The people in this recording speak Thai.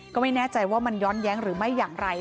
ก็ไม่แน่ใจว่ามันย้อนแย้งหรือไม่อย่างไร